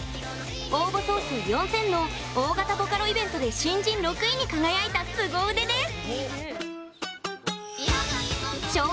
応募総数４０００の大型ボカロイベントで新人６位に輝いたすご腕です！